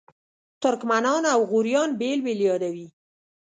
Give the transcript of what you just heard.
ترکمنان او غوریان بېل بېل یادوي.